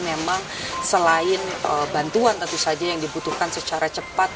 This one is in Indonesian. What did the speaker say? memang selain bantuan tentu saja yang dibutuhkan secara cepat